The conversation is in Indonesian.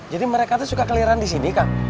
jadi mereka tuh suka keliruan di sini kang